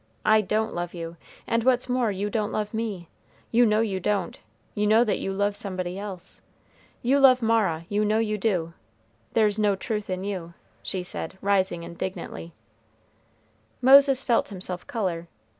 I don't love you; and what's more, you don't love me, you know you don't; you know that you love somebody else. You love Mara, you know you do; there's no truth in you," she said, rising indignantly. Moses felt himself color.